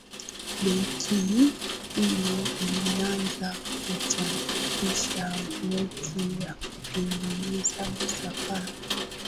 benki hiyo ilianza kuchapisha noti na kutengeneza sarafu